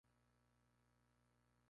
Thanks so much!